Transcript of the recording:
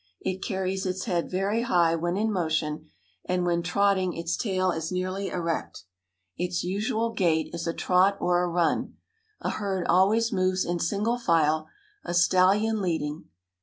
It carries its head very high when in motion, and when trotting its tail is nearly erect. Its usual gait is a trot or a run. A herd always moves in single file, a stallion leading.